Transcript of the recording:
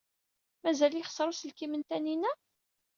Mazal yexṣer uselkim n Taninna?